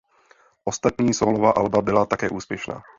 Ostatní sólová alba byla také úspěšná.